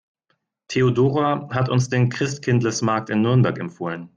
Theodora hat uns den Christkindlesmarkt in Nürnberg empfohlen.